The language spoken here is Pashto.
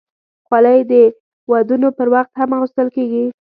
خولۍ د ودونو پر وخت هم اغوستل کېږي.